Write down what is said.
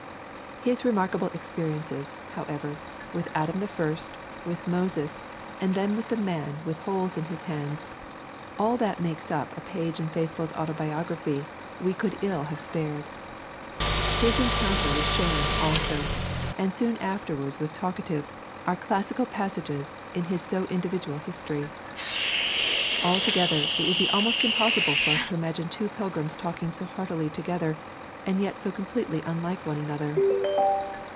His remarkable experiences, however, with Adam the First, with Moses, and then with the Man with holes in His hands, all that makes up a page in Faithful's autobiography we could ill have spared. His encounter with Shame also, and soon afterwards with Talkative, are classical passages in his so individual history. Altogether, it would be almost impossible for us to imagine two pilgrims talking so heartily together, and yet so completely unlike one another.